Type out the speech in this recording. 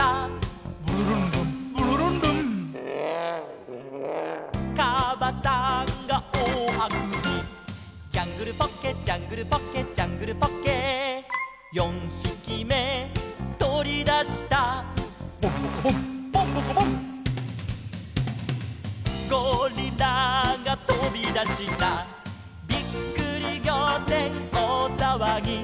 「ブルルンルンブルルンルン」「かばさんがおおあくび」「ジャングルポッケジャングルポッケ」「ジャングルポッケ」「四ひきめとり出した」「ボンボコボンボンボコボン」「ゴリラがとび出した」「びっくりぎょうてんおおさわぎ」